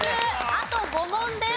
あと５問です。